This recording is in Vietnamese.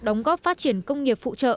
đóng góp phát triển công nghiệp phụ trợ